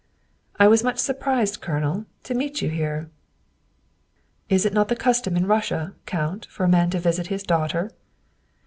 " I was much surprised, Colonel, to meet you here." " Is it not the custom in Russia, Count, for a man to visit his daughter?"